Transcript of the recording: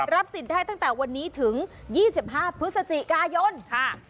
สิทธิ์ได้ตั้งแต่วันนี้ถึง๒๕พฤศจิกายนค่ะ